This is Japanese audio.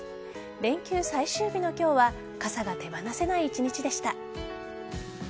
連休最終日の今日は傘が手放せない一日でした。